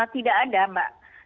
tidak ada mbak